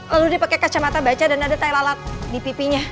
lalu dia pakai kacamata baca dan ada tai lalat di pipinya